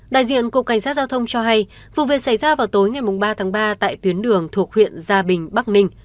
đại diện cộng cảnh sát giao thông cho hay vụ viện xảy ra vào tối ngày ba ba tại tuyến đường thuộc huyện gia bình bắc ninh